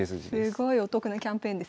すごいお得なキャンペーンですね。